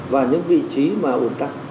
và những vị trí mà ổn tắc